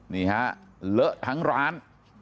เนี่ยเหลอะทั้งร้าน